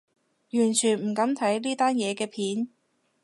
完全唔敢睇呢單嘢嘅片